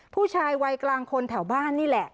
ผู้ชายวัยกลางคนแถวบ้านนี่แหละ